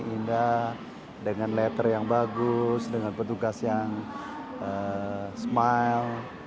indah dengan letter yang bagus dengan petugas yang smile